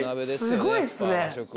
すごいですね！